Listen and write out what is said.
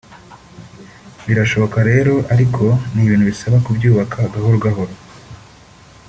birashoboka rero ariko ni ibintu bisaba kubyubaka gahoro gahoro